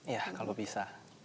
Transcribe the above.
ya kalau bisa